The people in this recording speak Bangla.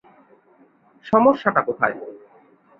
সমস্যাটা কোথায়?